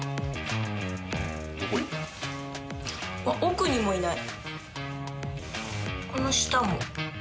奥にもいない。